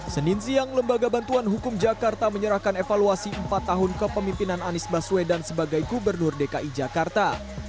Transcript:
senin siang lembaga bantuan hukum jakarta menyerahkan evaluasi empat tahun kepemimpinan anies baswedan sebagai gubernur dki jakarta